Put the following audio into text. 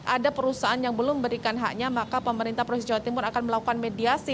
ada perusahaan yang belum memberikan haknya maka pemerintah provinsi jawa timur akan melakukan mediasi